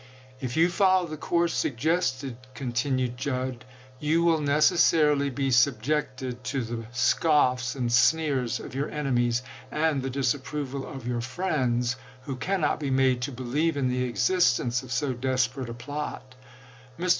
" If you follow the course suggested," continued Judd, " you will necessarily be subjected to the scoffs and sneers of your enemies, and the disap proval of your friends, who cannot be made to believe in the existence of so desperate a plot." Mr.